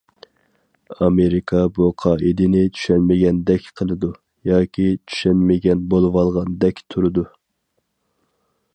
ئامېرىكا بۇ قائىدىنى چۈشەنمىگەندەك قىلىدۇ، ياكى چۈشەنمىگەن بولۇۋالغاندەك تۇرىدۇ.